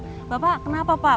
iya betul juga bersenang senang